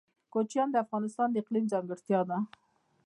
کوچیان د افغانستان د اقلیم ځانګړتیا ده.